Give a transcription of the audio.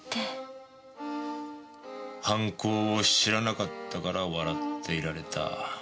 犯行を知らなかったから笑っていられた。